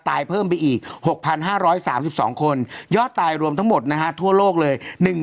เพิ่มไปอีก๖๕๓๒คนยอดตายรวมทั้งหมดนะฮะทั่วโลกเลย